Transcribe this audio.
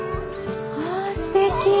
わすてき！